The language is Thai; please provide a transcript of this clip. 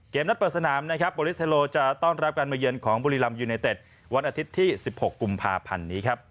เกมนัดเปิดสนามก็จะต้องรับการเมื่อเยินของบุรีรำยูไนเต็ดวันอาทิตย์ที่๑๖กุมภาพันธ์